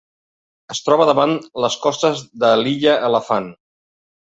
Es troba davant les costes de l'illa Elefant.